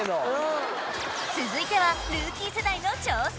続いてはルーキー世代の挑戦